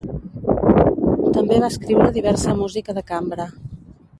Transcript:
També va escriure diversa música de cambra.